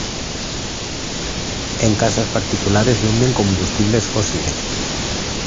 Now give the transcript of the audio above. En casas particulares venden combustibles fósiles.